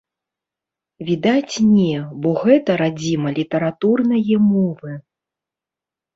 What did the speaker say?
Відаць, не, бо гэта радзіма літаратурнае мовы.